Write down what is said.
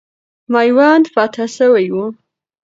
میوند فتح سوی وو.